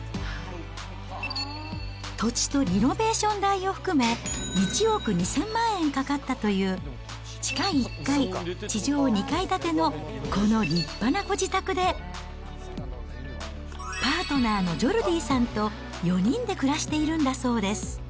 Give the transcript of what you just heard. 土地とリノベーション代を含め、１億２０００万円かかったという地下１階、地上２階建ての、この立派なご自宅で、パートナーのジョルディさんと４人で暮らしているんだそうです。